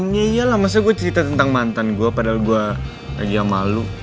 ya iyalah masa gue cerita tentang mantan gue padahal gue lagi sama lo